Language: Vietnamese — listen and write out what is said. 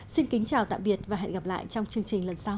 xin kính chào tạm biệt và hẹn gặp lại trong chương trình lần sau